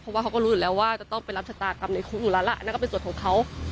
เพราะว่าเขาก็รู้อยู่แล้วว่าจะต้องไปรับชะตากรรมในคุกอยู่แล้วล่ะนั่นก็เป็นส่วนของเขา